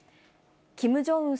キム・ジョンウン